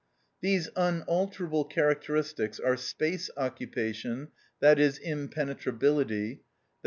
These unalterable characteristics are space occupation, i.e., impenetrability, _i.